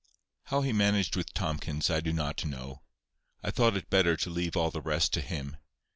How he managed with Tomkins I do not know. I thought it better to leave all the rest to him.